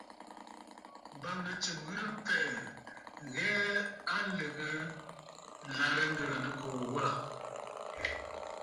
M̀bâŋnə̌ tsɨm ghɨrə mfɛ̀ʼɛ̀ ŋ̀hɛɛ a lɨ̀gə ɨlàrə Ŋgə̀ə̀ Nɨkòò wâ.